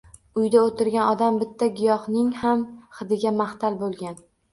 Uyda oʻtirgan odam bitta giyohning ham hidiga mahtal boʻlgan.